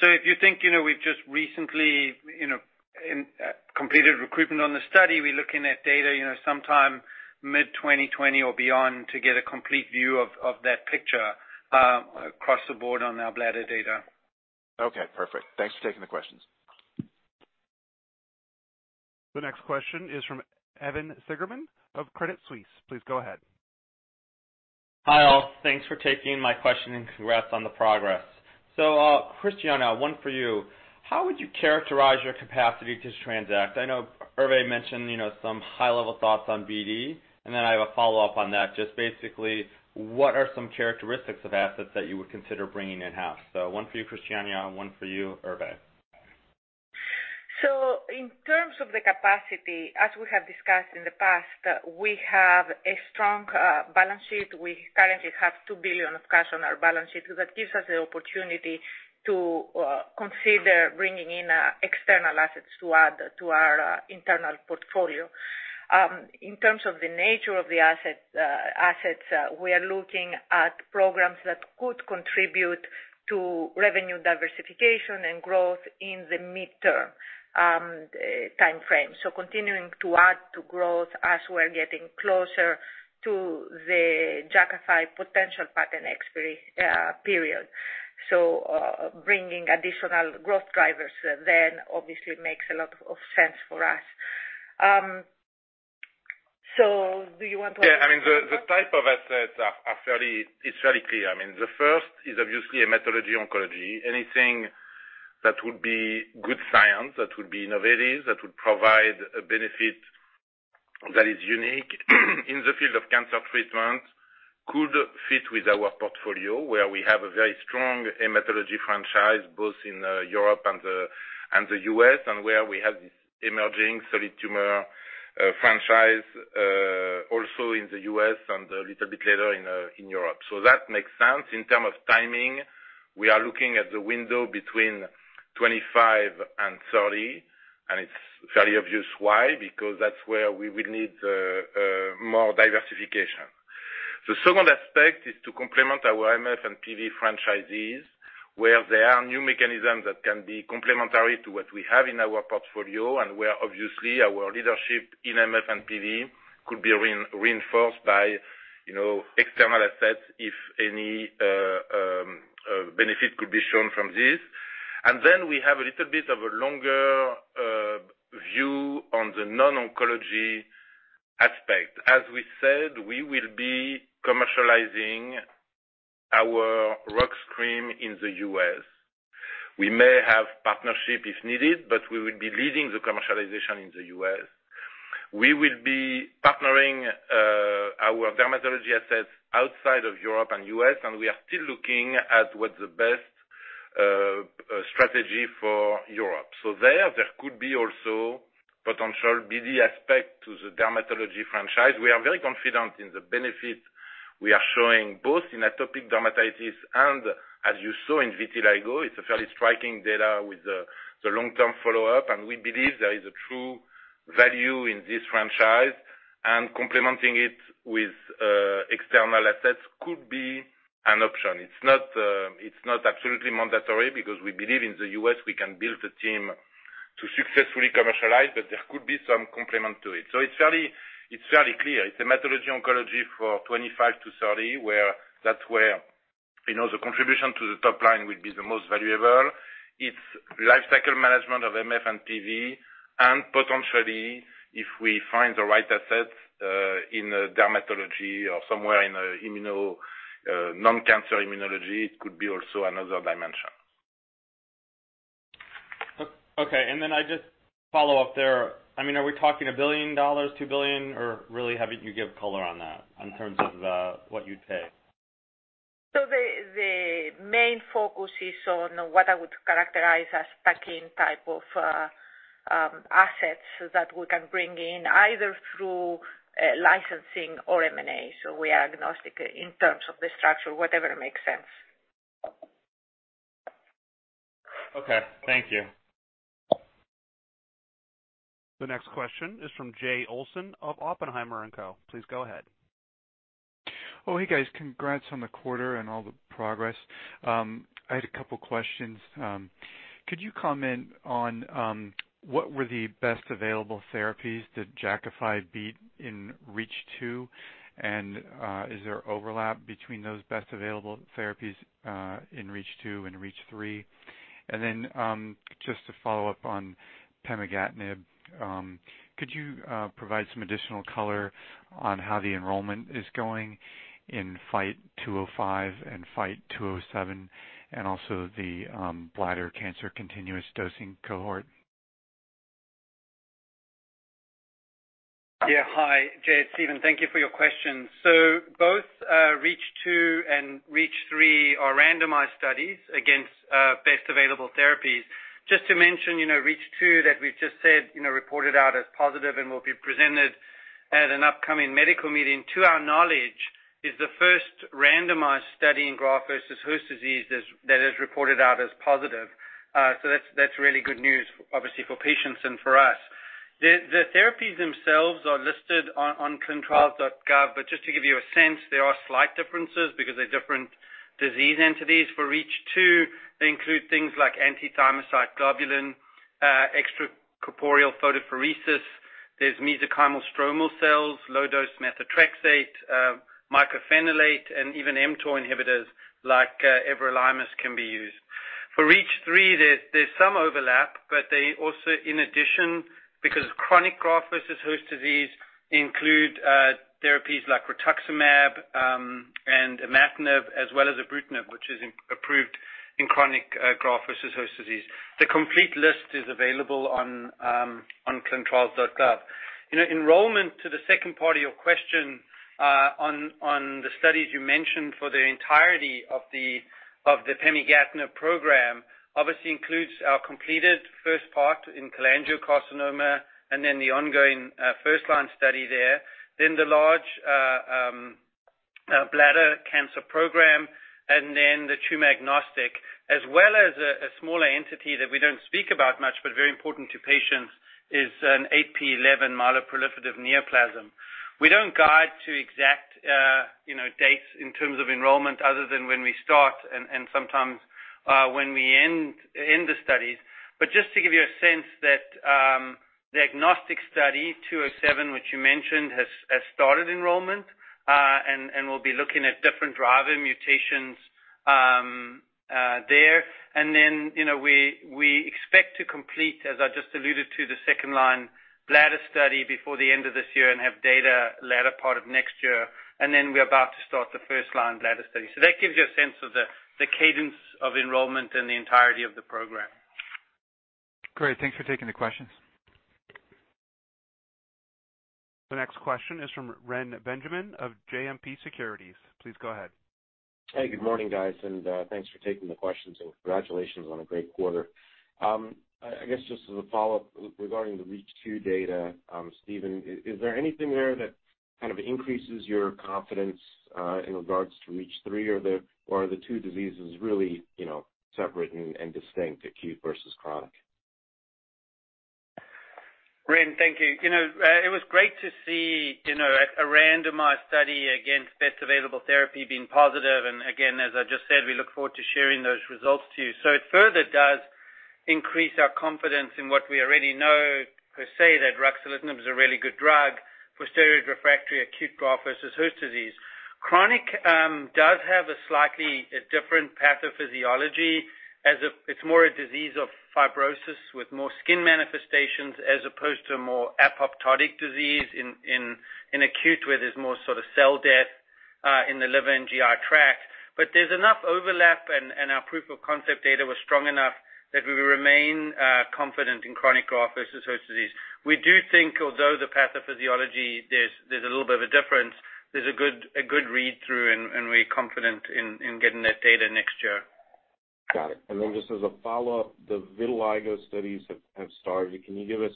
If you think we've just recently completed recruitment on the study, we're looking at data sometime mid-2020 or beyond to get a complete view of that picture across the board on our bladder data. Okay, perfect. Thanks for taking the questions. The next question is from Evan Seigerman of Credit Suisse. Please go ahead. Hi, all. Thanks for taking my question and congrats on the progress. Christiana, one for you. How would you characterize your capacity to transact? I know Hervé mentioned some high-level thoughts on BD, and then I have a follow-up on that. Just basically, what are some characteristics of assets that you would consider bringing in-house? One for you, Christiana, and one for you, Hervé. In terms of the capacity, as we have discussed in the past, we have a strong balance sheet. We currently have $2 billion of cash on our balance sheet. That gives us the opportunity to consider bringing in external assets to add to our internal portfolio. In terms of the nature of the assets, we are looking at programs that could contribute to revenue diversification and growth in the mid-term timeframe. Continuing to add to growth as we're getting closer to the Jakafi potential patent expiry period. Bringing additional growth drivers then obviously makes a lot of sense for us. Do you want to- Yeah, the type of assets it's fairly clear. The first is obviously hematology oncology. Anything that would be good science, that would be innovative, that would provide a benefit that is unique in the field of cancer treatment, could fit with our portfolio, where we have a very strong hematology franchise, both in Europe and the U.S., and where we have this emerging solid tumor franchise also in the U.S. and a little bit later in Europe. That makes sense. In terms of timing, we are looking at the window between 2025 and 2030, and it's fairly obvious why, because that's where we will need more diversification. The second aspect is to complement our MF and PV franchises, where there are new mechanisms that can be complementary to what we have in our portfolio, and where obviously our leadership in MF and PV could be reinforced by external assets if any benefit could be shown from this. We have a little bit of a longer view on the non-oncology aspect. As we said, we will be commercializing our Opzelura in the U.S. We may have partnership if needed, but we will be leading the commercialization in the U.S. We will be partnering our dermatology assets outside of Europe and U.S., and we are still looking at what the best strategy for Europe. There, there could be also potential BD aspect to the dermatology franchise. We are very confident in the benefit we are showing, both in atopic dermatitis and as you saw in vitiligo. It's a fairly striking data with the long-term follow-up, and we believe there is a true value in this franchise, and complementing it with external assets could be an option. It's not absolutely mandatory because we believe in the U.S. we can build a team to successfully commercialize. There could be some complement to it. It's fairly clear. It's hematology oncology for 25 to 30, that's where the contribution to the top line will be the most valuable. It's lifecycle management of MF and PV. Potentially, if we find the right assets in dermatology or somewhere in non-cancer immunology, it could be also another dimension. Okay, I just follow up there. Are we talking $1 billion, $2 billion, or really, have you give color on that in terms of what you'd pay? The main focus is on what I would characterize as pack-in type of assets that we can bring in either through licensing or M&A. We are agnostic in terms of the structure, whatever makes sense. Okay. Thank you. The next question is from Jay Olson of Oppenheimer & Co.. Please go ahead. Hey, guys. Congrats on the quarter and all the progress. I had a couple questions. Could you comment on what were the best available therapies that JAKAFI beat in REACH2, and is there overlap between those best available therapies, in REACH2 and REACH3? Just to follow up on pemigatinib, could you provide some additional color on how the enrollment is going in FIGHT-205 and FIGHT-207 and also the bladder cancer continuous dosing cohort? Hi, Jay. It's Steven. Thank you for your question. Both REACH 2 and REACH 3 are randomized studies against best available therapies. Just to mention, REACH 2 that we've just said reported out as positive and will be presented at an upcoming medical meeting. To our knowledge, is the first randomized study in graft-versus-host disease that has reported out as positive. That's really good news, obviously, for patients and for us. The therapies themselves are listed on clinicaltrials.gov, but just to give you a sense, there are slight differences because they're different disease entities. For REACH 2, they include things like antithymocyte globulin, extracorporeal photopheresis, there's mesenchymal stromal cells, low-dose methotrexate, mycophenolate, and even mTOR inhibitors like everolimus can be used. For REACH3, there's some overlap, but they also, in addition, because it's chronic graft versus host disease, include therapies like rituximab and imatinib as well as ibrutinib, which is approved in chronic graft versus host disease. The complete list is available on clinicaltrials.gov. Enrollment to the second part of your question on the studies you mentioned for the entirety of the pemigatinib program, obviously includes our completed first part in cholangiocarcinoma and then the ongoing first-line study there, then the large bladder cancer program, and then the tumor agnostic, as well as a smaller entity that we don't speak about much but very important to patients is an 8p11 myeloproliferative neoplasm. We don't guide to exact dates in terms of enrollment other than when we start and sometimes when we end the studies. Just to give you a sense that the agnostic study 207, which you mentioned, has started enrollment, and will be looking at different driver mutations there. We expect to complete, as I just alluded to, the second-line bladder study before the end of this year and have data latter part of next year. We're about to start the first-line bladder study. That gives you a sense of the cadence of enrollment and the entirety of the program. Great. Thanks for taking the questions. The next question is from Ren Benjamin of JMP Securities. Please go ahead. Hey, good morning, guys, and thanks for taking the questions and congratulations on a great quarter. I guess just as a follow-up regarding the REACH2 data. Steven, is there anything there that kind of increases your confidence in regards to REACH3, or are the two diseases really separate and distinct, acute versus chronic? Ren, thank you. It was great to see a randomized study against best available therapy being positive. Again, as I just said, we look forward to sharing those results to you. It further does increase our confidence in what we already know, per se, that ruxolitinib is a really good drug for steroid-refractory acute Graft-versus-host disease. Chronic does have a slightly different pathophysiology as it's more a disease of fibrosis with more skin manifestations as opposed to a more apoptotic disease in acute, where there's more sort of cell death in the liver and GI tract. There's enough overlap, and our proof of concept data was strong enough that we remain confident in chronic Graft-versus-host disease. We do think, although the pathophysiology there's a little bit of a difference, there's a good read-through and we're confident in getting that data next year. Got it. Just as a follow-up, the vitiligo studies have started. Can you give us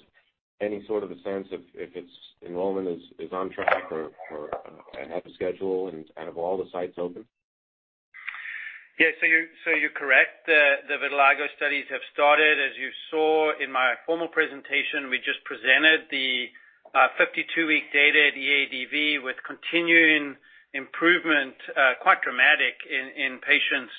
any sort of a sense if its enrollment is on track or ahead of schedule and have all the sites open? Yeah. You're correct. The vitiligo studies have started. As you saw in my formal presentation, we just presented the 52-week data at the EADV with continuing improvement, quite dramatic in patients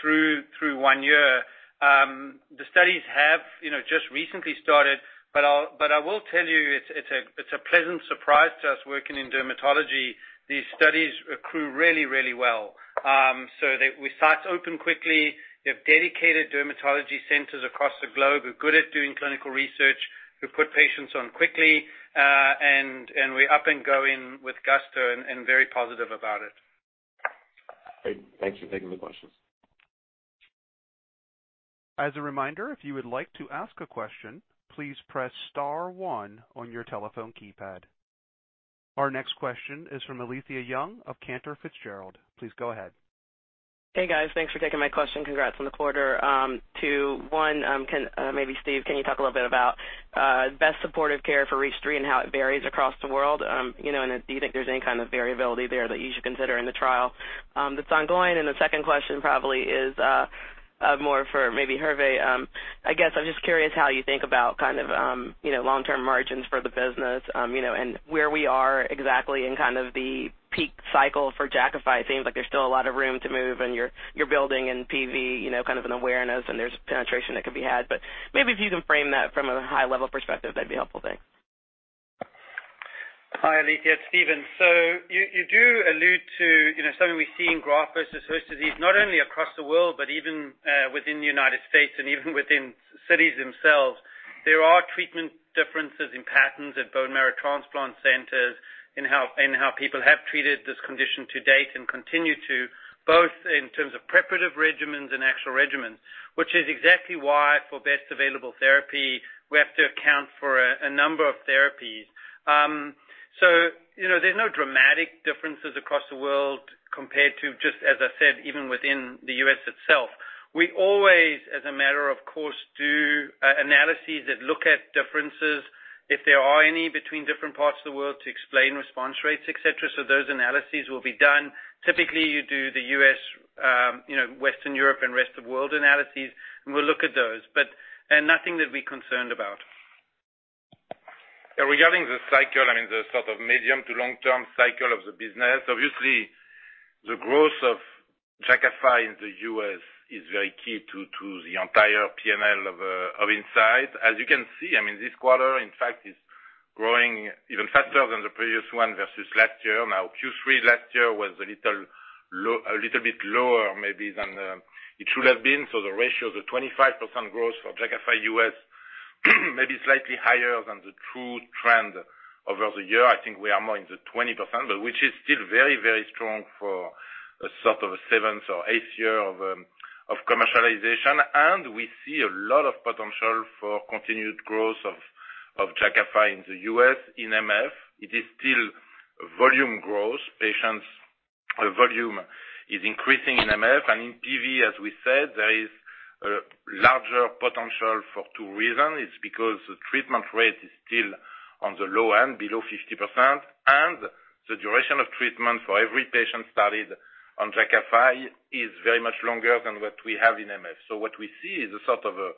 through one year. The studies have just recently started, I will tell you, it's a pleasant surprise to us working in dermatology. These studies accrue really, really well. With sites open quickly, we have dedicated dermatology centers across the globe who are good at doing clinical research, who put patients on quickly, and we're up and going with gusto and very positive about it. Great. Thanks for taking the questions. As a reminder, if you would like to ask a question, please press star one on your telephone keypad. Our next question is from Alethia Young of Cantor Fitzgerald. Please go ahead. Hey, guys. Thanks for taking my question. Congrats on the quarter. Two, one, maybe Steve, can you talk a little bit about best supportive care for REACH3 and how it varies across the world? Do you think there's any kind of variability there that you should consider in the trial that's ongoing? The second question probably is more for maybe Hervé. I guess I'm just curious how you think about kind of long-term margins for the business, and where we are exactly in kind of the peak cycle for JAKAFI. It seems like there's still a lot of room to move and you're building in PV, kind of an awareness and there's penetration that could be had. Maybe if you can frame that from a high-level perspective, that'd be helpful. Thanks. Hi, Alethia. It's Steven. You do allude to something we see in graft-versus-host disease, not only across the world, but even within the United States and even within cities themselves. There are treatment differences in patterns at bone marrow transplant centers in how people have treated this condition to date and continue to, both in terms of preparative regimens and actual regimens. Which is exactly why for best available therapy, we have to account for a number of therapies. There's no dramatic differences across the world compared to just, as I said, even within the U.S. itself. We always, as a matter of course, do analyses that look at differences, if there are any, between different parts of the world to explain response rates, et cetera. Those analyses will be done. Typically, you do the U.S., Western Europe, and rest of world analyses, and we'll look at those. Nothing that we're concerned about. Regarding the cycle, I mean, the sort of medium to long-term cycle of the business, obviously the growth of JAKAFI in the U.S. is very key to the entire P&L of Incyte. As you can see, this quarter, in fact, is growing even faster than the previous one versus last year. Q3 last year was a little bit lower maybe than it should have been. The ratio of the 25% growth for JAKAFI U.S. may be slightly higher than the true trend over the year. I think we are more in the 20%, but which is still very, very strong for a sort of a seventh or eighth year of commercialization. We see a lot of potential for continued growth of JAKAFI in the U.S. in MF. It is still volume growth. Patients volume is increasing in MF. In PV, as we said, there is a larger potential for two reasons. It's because the treatment rate is still on the low end, below 50%, and the duration of treatment for every patient started on Jakafi is very much longer than what we have in MF. What we see is a sort of a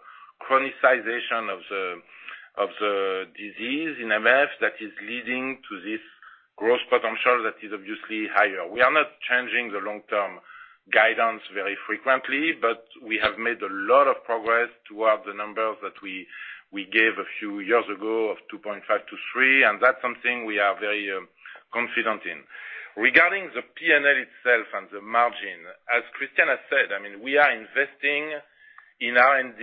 chronicization of the disease in MF that is leading to this growth potential that is obviously higher. We are not changing the long-term guidance very frequently, but we have made a lot of progress towards the numbers that we gave a few years ago of 2.5 to three, and that's something we are very confident in. Regarding the P&L itself and the margin, as Christiana has said, we are investing in R&D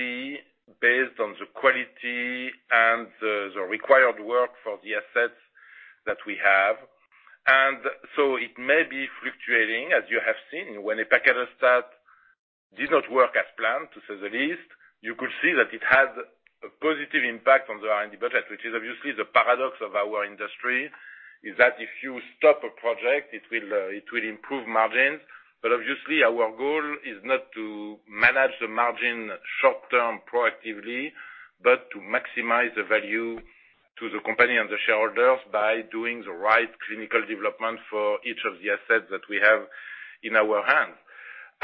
based on the quality and the required work for the assets that we have. It may be fluctuating, as you have seen, when epacadostat did not work as planned, to say the least. You could see that it had a positive impact on the R&D budget, which is obviously the paradox of our industry, is that if you stop a project, it will improve margins. Obviously, our goal is not to manage the margin short-term proactively, but to maximize the value to the company and the shareholders by doing the right clinical development for each of the assets that we have in our hand.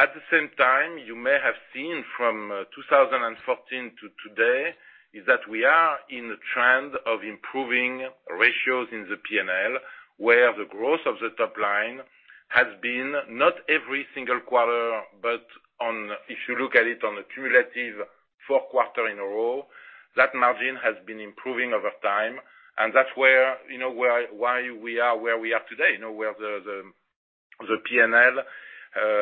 At the same time, you may have seen from 2014 to today, is that we are in a trend of improving ratios in the P&L, where the growth of the top line has been not every single quarter, but if you look at it on a cumulative four-quarter in a row, that margin has been improving over time. That's why we are where we are today, where the P&L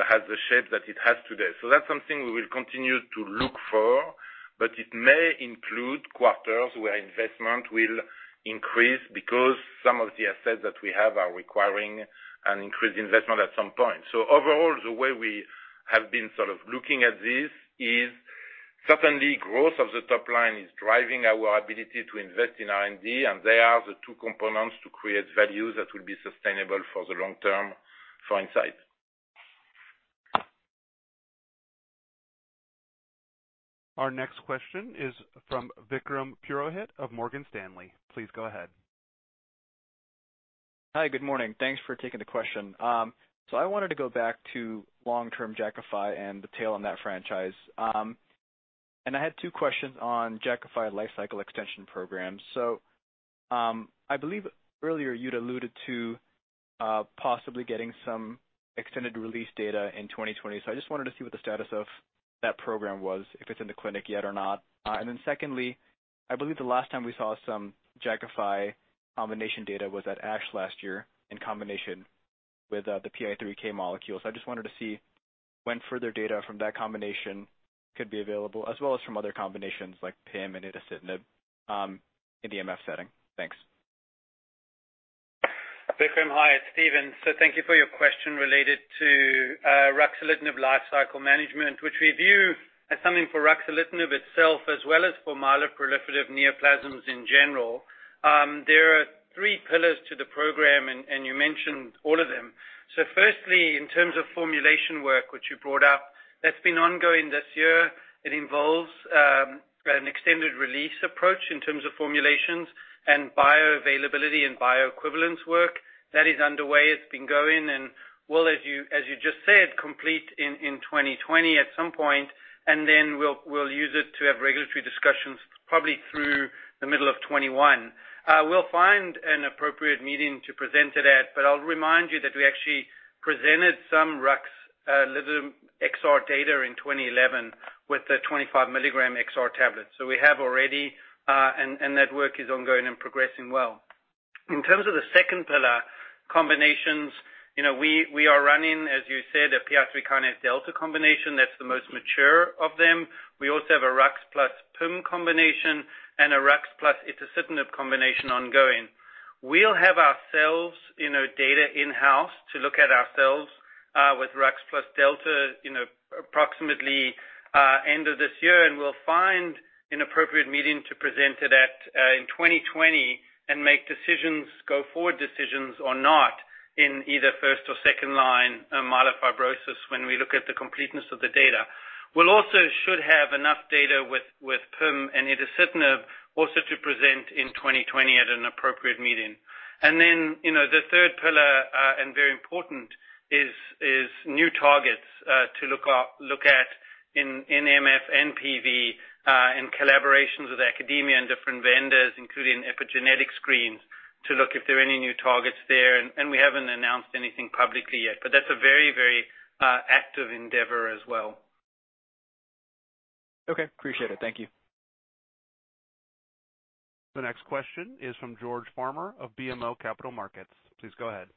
has the shape that it has today. That's something we will continue to look for, but it may include quarters where investment will increase because some of the assets that we have are requiring an increased investment at some point. Overall, the way we have been sort of looking at this is certainly growth of the top line is driving our ability to invest in R&D, and they are the two components to create value that will be sustainable for the long term for Incyte. Our next question is from Vikram Purohit of Morgan Stanley. Please go ahead. Hi, good morning. Thanks for taking the question. I wanted to go back to long-term Jakafi and the tail on that franchise. I had two questions on Jakafi lifecycle extension programs. I believe earlier you'd alluded to possibly getting some extended release data in 2020. I just wanted to see what the status of that program was, if it's in the clinic yet or not. Secondly, I believe the last time we saw some Jakafi combination data was at ASH last year in combination with the PI3K molecule. I just wanted to see when further data from that combination could be available, as well as from other combinations like PIM and itacitinib in the MF setting. Thanks. Vikram, hi, it's Steven. Thank you for your question related to ruxolitinib lifecycle management, which we view as something for ruxolitinib itself as well as for myeloproliferative neoplasms in general. There are three pillars to the program, and you mentioned all of them. Firstly, in terms of formulation work, which you brought up, that's been ongoing this year. It involves an extended release approach in terms of formulations and bioavailability and bioequivalence work. That is underway. It's been going and will, as you just said, complete in 2020 at some point, and then we'll use it to have regulatory discussions probably through the middle of 2021. We'll find an appropriate meeting to present it at, but I'll remind you that we actually presented some ruxolitinib data in 2011 with the 25 milligram XR tablet. We have already and that work is ongoing and progressing well. In terms of the second pillar, combinations, we are running, as you said, a PI3K delta combination. That's the most mature of them. We also have a ruxolitinib plus PIM combination and a ruxolitinib plus itacitinib combination ongoing. We'll have our sales data in-house to look at ourselves with ruxolitinib plus delta approximately end of this year, and we'll find an appropriate meeting to present it at in 2020 and make go-forward decisions or not in either first or second line myelofibrosis when we look at the completeness of the data. We'll also should have enough data with PIM and itacitinib also to present in 2020 at an appropriate meeting. The third pillar, and very important, is new targets to look at in MF, PV, and collaborations with academia and different vendors, including epigenetic screens, to look if there are any new targets there. We haven't announced anything publicly yet, but that's a very active endeavor as well. Okay. Appreciate it. Thank you. The next question is from George Farmer of BMO Capital Markets. Please go ahead.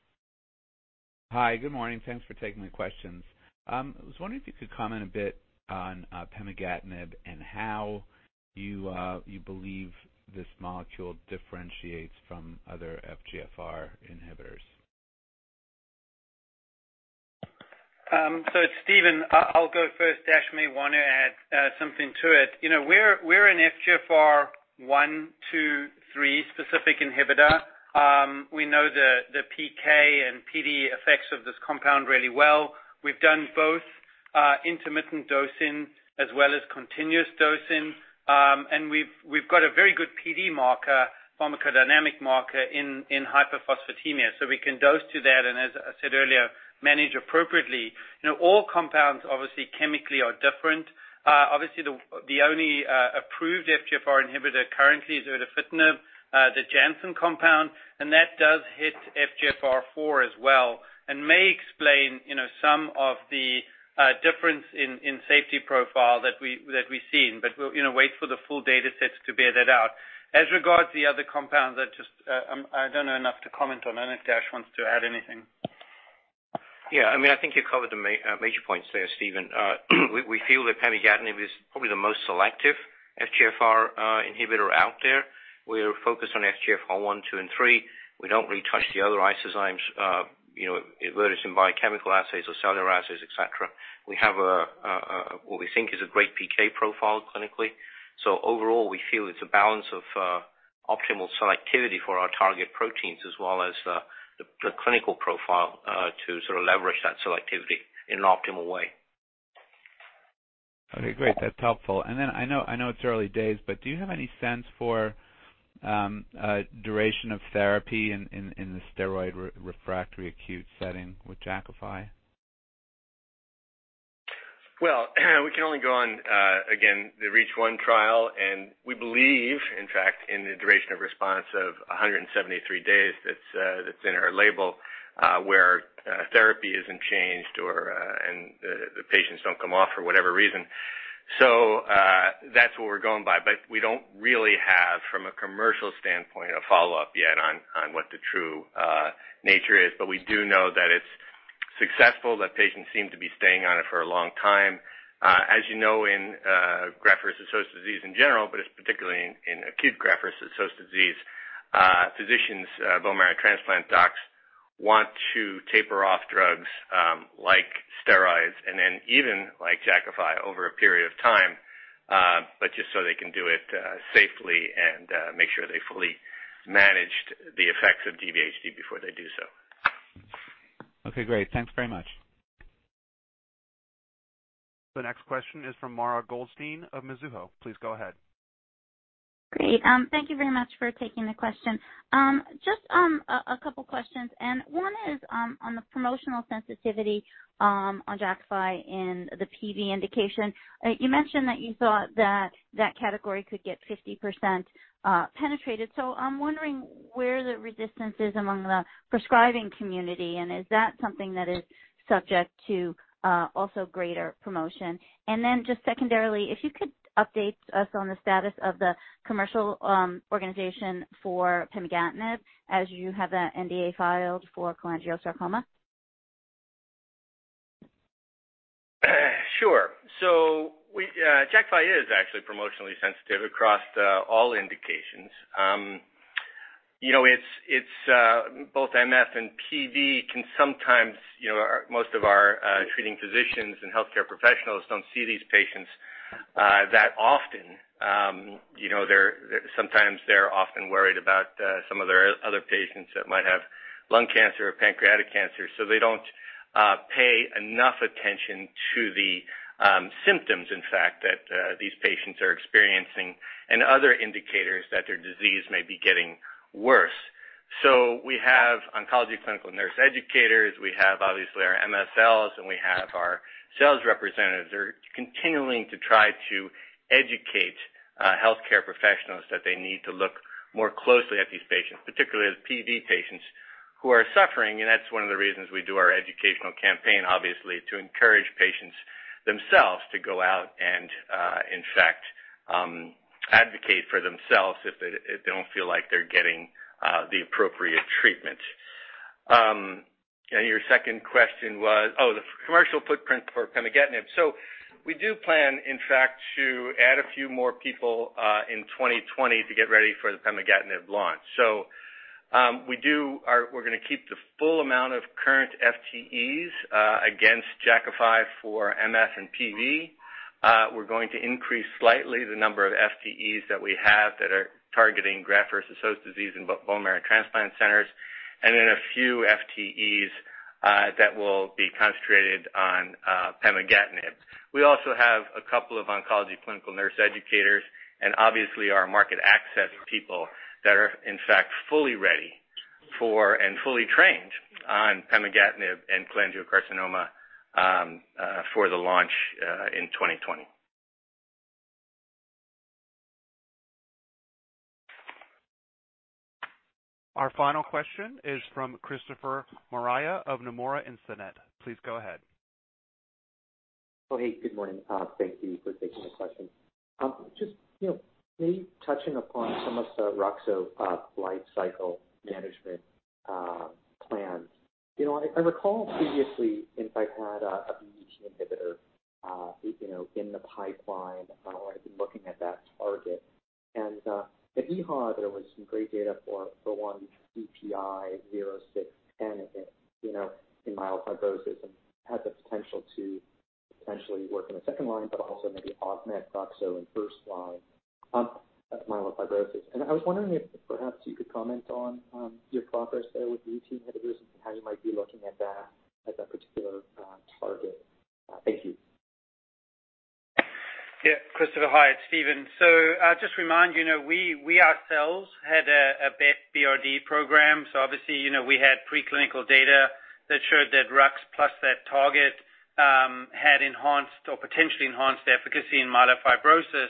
Hi. Good morning. Thanks for taking the questions. I was wondering if you could comment a bit on pemigatinib and how you believe this molecule differentiates from other FGFR inhibitors. It's Steven. I'll go first. Dash may want to add something to it. We're an FGFR1, 2, 3 specific inhibitor. We know the PK and PD effects of this compound really well. We've done both intermittent dosing as well as continuous dosing. We've got a very good PD marker, pharmacodynamic marker in hyperphosphatemia, so we can dose to that, and as I said earlier, manage appropriately. All compounds, obviously, chemically, are different. The only approved FGFR inhibitor currently is erdafitinib, the Janssen compound, and that does hit FGFR4 as well and may explain some of the difference in safety profile that we've seen. We'll wait for the full data sets to bear that out. As regard the other compounds, I don't know enough to comment on. I don't know if Dash wants to add anything. Yeah, I think you covered the major points there, Steven. We feel that pemigatinib is probably the most selective FGFR inhibitor out there. We are focused on FGFR1, 2, and 3. We don't really touch the other isozymes, in vitro in biochemical assays or cellular assays, et cetera. We have what we think is a great PK profile clinically. Overall, we feel it's a balance of optimal selectivity for our target proteins as well as the clinical profile, to sort of leverage that selectivity in an optimal way. Okay, great. That's helpful. I know it's early days, but do you have any sense for duration of therapy in the steroid refractory acute setting with Jakafi? Well, we can only go on, again, the REACH1 trial. We believe, in fact, in the duration of response of 173 days that's in our label, where therapy isn't changed or the patients don't come off for whatever reason. That's what we're going by. We don't really have, from a commercial standpoint, a follow-up yet on what the true nature is. We do know that it's successful, that patients seem to be staying on it for a long time. As you know, in graft versus host disease in general, but it's particularly in acute graft versus host disease, physicians, bone marrow transplant docs want to taper off drugs like steroids and then even like Jakafi over a period of time, just so they can do it safely and make sure they fully managed the effects of GVHD before they do so. Okay, great. Thanks very much. The next question is from Mara Goldstein of Mizuho. Please go ahead. Great. Thank you very much for taking the question. Just a couple questions. One is on the promotional sensitivity on JAKAFI in the PV indication. You mentioned that you thought that that category could get 50% penetrated. I'm wondering where the resistance is among the prescribing community. Is that something that is subject to also greater promotion? Then just secondarily, if you could update us on the status of the commercial organization for pemigatinib as you have that NDA filed for cholangiocarcinoma. Sure. Jakafi is actually promotionally sensitive across all indications. Most of our treating physicians and healthcare professionals don't see these patients that often. Sometimes they're often worried about some of their other patients that might have lung cancer or pancreatic cancer, so they don't pay enough attention to the symptoms, in fact, that these patients are experiencing and other indicators that their disease may be getting worse. We have oncology clinical nurse educators, we have, obviously, our MSLs, and we have our sales representatives are continuing to try to educate healthcare professionals that they need to look more closely at these patients, particularly the PV patients who are suffering. That's one of the reasons we do our educational campaign, obviously, to encourage patients themselves to go out and, in fact, advocate for themselves if they don't feel like they're getting the appropriate. Your second question was, oh, the commercial footprint for pemigatinib. We do plan, in fact, to add a few more people in 2020 to get ready for the pemigatinib launch. We're going to keep the full amount of current FTEs against Jakafi for MF and PV. We're going to increase slightly the number of FTEs that we have that are targeting graft versus host disease in bone marrow transplant centers, and then a few FTEs that will be concentrated on pemigatinib. We also have a couple of oncology clinical nurse educators, and obviously our market access people that are in fact fully ready for and fully trained on pemigatinib and cholangiocarcinoma for the launch in 2020. Our final question is from Christopher Marai of Nomura Instinet. Please go ahead. Oh, hey, good morning. Thank you for taking the question. Just maybe touching upon some of the Ruxo life cycle management plans. I recall previously, Incyte had a BET inhibitor in the pipeline or had been looking at that target. At EHA, there was some great data for one CPI-0610 in myelofibrosis and had the potential to potentially work in the second line, but also maybe augment Ruxo in first line myelofibrosis. I was wondering if perhaps you could comment on your progress there with BET inhibitors and how you might be looking at that particular target. Thank you. Yeah, Christopher, hi. It's Steven. Just remind you, we ourselves had a BET BRD program. Obviously we had pre-clinical data that showed that Rux plus that target had enhanced or potentially enhanced efficacy in myelofibrosis.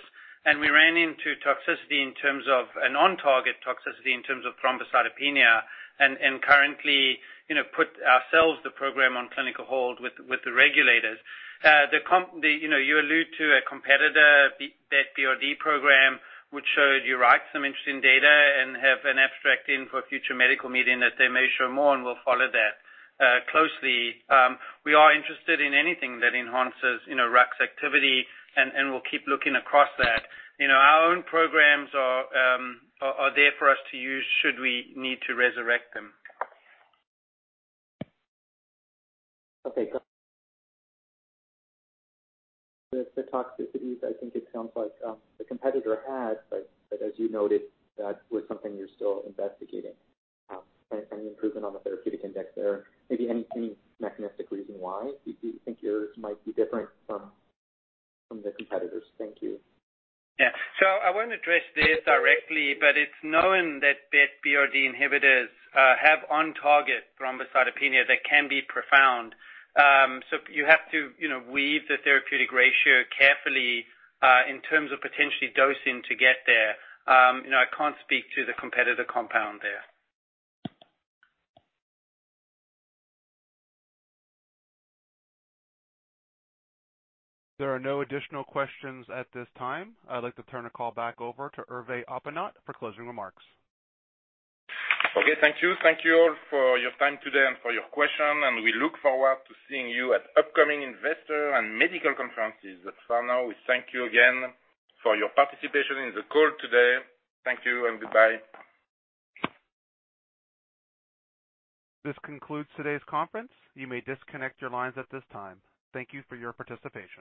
We ran into toxicity in terms of a non-target toxicity in terms of thrombocytopenia, and currently put ourselves the program on clinical hold with the regulators. You allude to a competitor BET BRD program, which showed, you're right, some interesting data and have an abstract in for a future medical meeting that they may show more, we'll follow that closely. We are interested in anything that enhances Rux activity, and we'll keep looking across that. Our own programs are there for us to use should we need to resurrect them. Okay, great. The toxicities, I think it sounds like the competitor had, but as you noted, that was something you're still investigating. Any improvement on the therapeutic index there? Maybe any mechanistic reason why you think yours might be different from the competitor's? Thank you. Yeah. I won't address this directly, but it's known that BET BRD inhibitors have on-target thrombocytopenia that can be profound. You have to weave the therapeutic ratio carefully in terms of potentially dosing to get there. I can't speak to the competitor compound there. There are no additional questions at this time. I'd like to turn the call back over to Hervé Hoppenot for closing remarks. Okay, thank you. Thank you all for your time today and for your questions. We look forward to seeing you at upcoming investor and medical conferences. For now, we thank you again for your participation in the call today. Thank you and goodbye. This concludes today's conference. You may disconnect your lines at this time. Thank you for your participation.